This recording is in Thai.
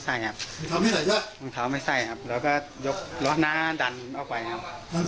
ใส่ครับของเท้าไม่ใส่ครับแล้วก็ยกรถหน้าดันเอาไปครับ